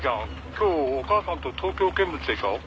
今日お母さんと東京見物でしょ？